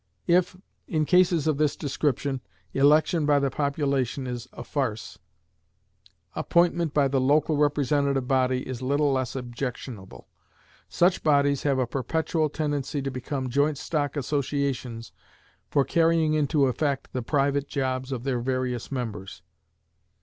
If, in cases of this description, election by the population is a farce, appointment by the local representative body is little less objectionable. Such bodies have a perpetual tendency to become joint stock associations for carrying into effect the private jobs of their various members.